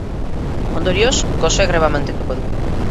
Ondorioz, gose greba mantenduko du.